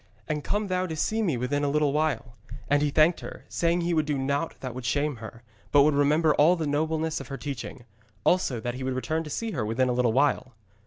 And come thou to see me within a little while.' And he thanked her, saying he would do naught that should shame her, but would remember all the nobleness of her teaching; also, that he would return to see her within a little while.